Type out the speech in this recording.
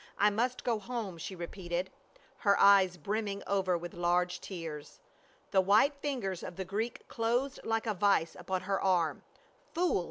I must go home," she repeated, her eyes brimming over with large tears. The white fingers of the Greek closed like a vise upon her arm. " Fool